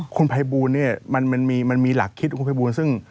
คุณภัยบูรณ์มันมีหลักคิดคุณภัยบูรณ์ซึ่ง